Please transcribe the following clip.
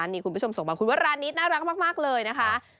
นี่คุณผู้ชมส่งมาคุณว่าร้านนี้น่ารักมากเลยนะคะ